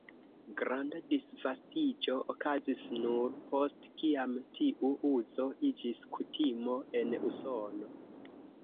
Granda disvastiĝo okazis nur post kiam tiu uzo iĝis kutimo en Usono.